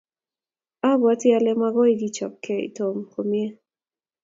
abwatii ale mokoi kichopkei Tom komie.